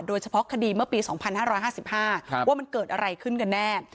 โดยเฉพาะคดีเมื่อปีสองพันห้าร้อยห้าสิบห้าครับว่ามันเกิดอะไรขึ้นกันแน่